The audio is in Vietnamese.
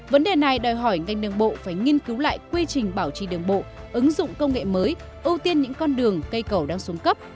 vấn đề này đòi hỏi ngành đường bộ phải nghiên cứu lại quy trình bảo trì đường bộ ứng dụng công nghệ mới ưu tiên những con đường cây cầu đang xuống cấp